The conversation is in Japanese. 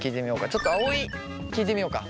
ちょっとあおい聞いてみようか。